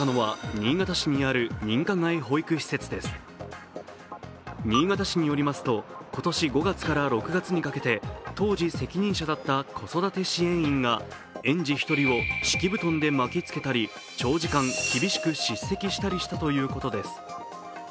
新潟市によりますと、今年５月から６月にかけて当時、責任者だった子育て支援員が園児１人を敷き布団で巻き付けたり、長時間厳しく叱責したりしたということです。